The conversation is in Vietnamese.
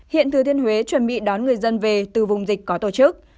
hiện thừa thiên huế chuẩn bị đón người dân về từ vùng dịch có tổ chức